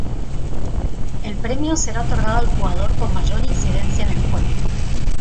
El premio será otorgado al jugador con mayor incidencia en el juego.